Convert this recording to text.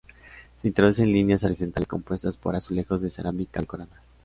Se introducen líneas horizontales compuestas por azulejos de cerámica decorada.